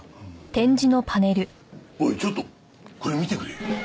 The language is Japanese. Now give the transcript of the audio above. おいちょっとこれ見てくれ。